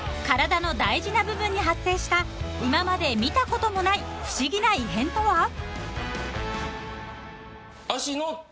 体の大事な部分に発生した今まで見たこともない不思議な異変とは？］